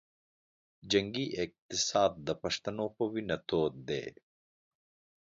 جنګي اقتصاد د پښتنو پۀ وینه تود دے